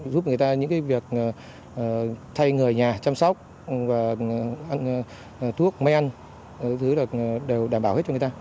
giúp người ta những cái việc thay người nhà chăm sóc và ăn thuốc mê ăn những thứ là đều đảm bảo hết cho người ta